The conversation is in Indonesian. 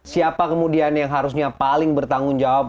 siapa kemudian yang harusnya paling bertanggung jawab